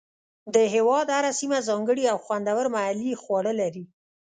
د هېواد هره سیمه ځانګړي او خوندور محلي خواړه لري.